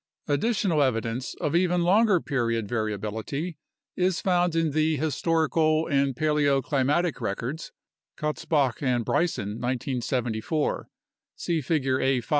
Additional evidence of even longer period variability is found in the historical and paleo climatic records (Kutzbach and Bryson, 1974; see Figure A.